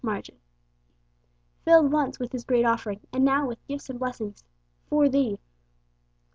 margin) filled once with His great offering, and now with gifts and blessings 'for thee.'